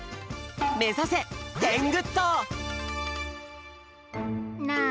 めざせテングッド！